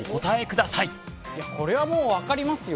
これはもう分かりますよ。